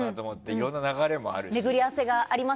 いろんな流れもあるし。